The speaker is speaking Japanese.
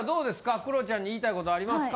クロちゃんに言いたいことありますか？